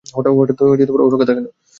হঠাৎ ওর কথা কেন?